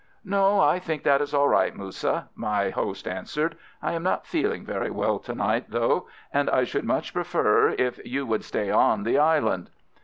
"No, I think that is all right, Moussa," my host answered. "I am not feeling very well to night, though, and I should much prefer if you would stay on the island."